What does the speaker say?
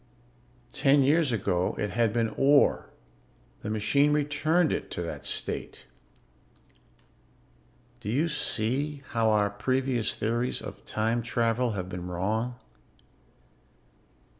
Ten years ago it had been ore. The machine returned it to that state. "Do you see how our previous theories of time travel have been wrong?